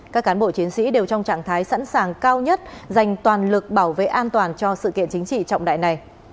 các cán bộ chiến sĩ đều trong trạng thái sẵn sàng cao nhất dành toàn lực bảo vệ an toàn cho sự kiện chính trị trọng đại này